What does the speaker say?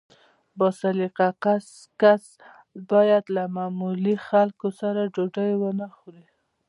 با سلیقه کس باید له معمولي خلکو سره ډوډۍ ونه خوري.